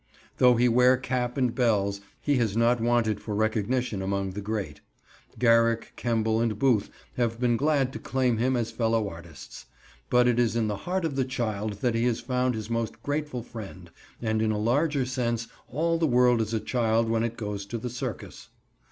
Though he wear cap and bells, he has not wanted for recognition among the great. Garrick, Kemble, and Booth have been glad to claim him as fellow artists. But it is in the heart of the child that he has found his most grateful friend, and in a larger sense all the world is a child when it goes to the circus.